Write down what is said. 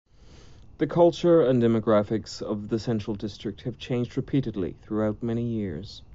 The culture and demographics of the Central District have changed repeatedly throughout many years.